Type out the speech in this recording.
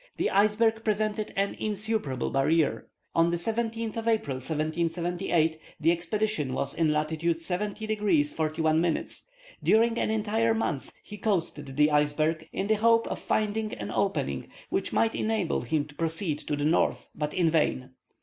The iceberg presented an insuperable barrier. On the 17th of April, 1778, the expedition was in latitude 70 degrees 41 minutes. During an entire month he coasted the iceberg, in the hope of finding an opening which might enable him to proceed to the north, but in vain.